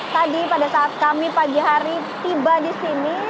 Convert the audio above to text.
tadi pada saat kami pagi hari tiba di sini